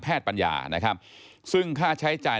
พบหน้าลูกแบบเป็นร่างไร้วิญญาณ